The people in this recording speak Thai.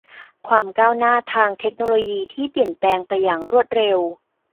ความก้าวหน้าทางเทคโนโลยีที่เปลี่ยนแปลงไปอย่างรวดเร็ว